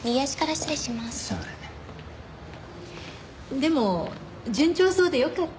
でも順調そうでよかった。